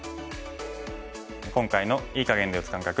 今回の“いい”かげんで打つ感覚